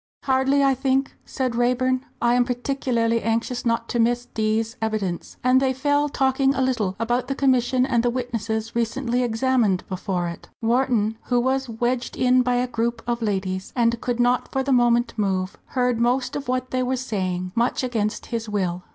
"Hardly, I think," said Raeburn, "I am particularly anxious not to miss D 's evidence." And they fell talking a little about the Commission and the witnesses recently examined before it. Wharton, who was wedged in by a group of ladies, and could not for the moment move, heard most of what they were saying, much against his will.